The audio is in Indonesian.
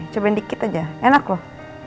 cobain dikit aja enak loh